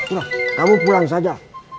udah kamu pulang saja